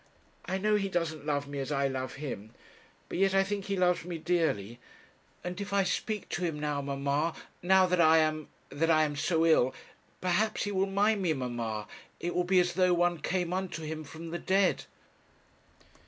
I know he doesn't love me as I love him; but yet I think he loves me dearly; and if I speak to him now, mamma, now that I am that I am so ill, perhaps he will mind me. Mamma, it will be as though one came unto him from the dead.'